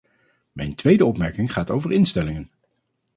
Mijn tweede opmerking gaat over instellingen.